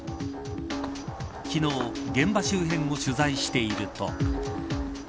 昨日、現場周辺を取材していると。